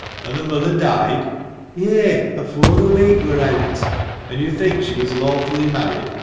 " And the mother died ?" "Yea! — afore the week wur eawt." "And you think she was lawfully married?